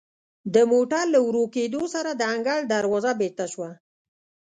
د موټر له ورو کیدو سره د انګړ دروازه بیرته شوه.